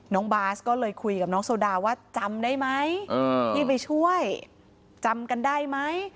น้องบาสก็เลยคุยกับน้องโซดาว่าจำได้ไหมที่ไปช่วยจำกันได้ไหม